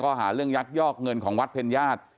หาเรื่องยักยอกเงินของวัดเพ็ญญาติ